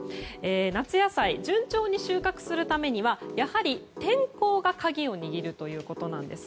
夏野菜順調に収穫するためにはやはり、天候が鍵を握るということです。